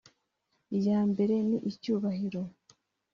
iya mbere ni icyubahiro